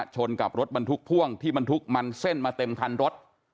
ชนกับรถบรรทุกพ่วงที่บรรทุกมันเส้นมาเต็มคันรถ